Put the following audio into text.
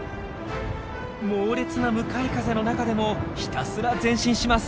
猛烈な向かい風の中でもひたすら前進します！